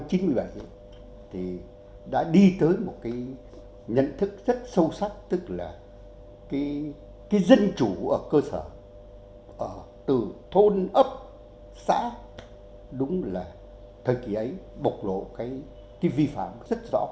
thái bình năm chín mươi bảy thì đã đi tới một cái nhận thức rất sâu sắc tức là cái dân chủ ở cơ sở từ thôn ấp xã đúng là thời kỳ ấy bộc lộ cái vi phạm rất rõ